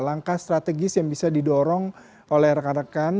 langkah strategis yang bisa didorong oleh rekan rekan